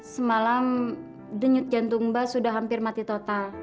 semalam denyut jantung mbak sudah hampir mati total